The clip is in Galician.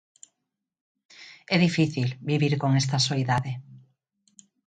É difícil vivir con esta soidade.